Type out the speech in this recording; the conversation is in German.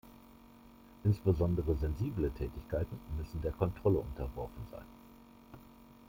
Insbesondere sensible Tätigkeiten müssen der Kontrolle unterworfen sein.